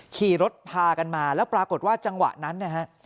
ขี่รถพากันมาแล้วปรากฏว่าจังหวะนั้นนะฮะ